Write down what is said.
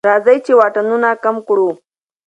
راځئ چې واټنونه کم کړو.